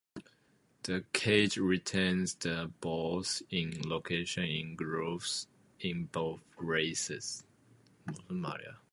The cage retains the balls in location in grooves in both races.